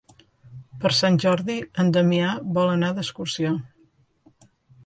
Per Sant Jordi en Damià vol anar d'excursió.